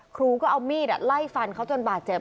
ครูก็เอามีดไล่ฟันเขาจนบาดเจ็บ